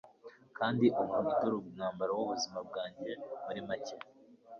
kandi uhindure umwambaro w'ubuzima bwanjye, muri make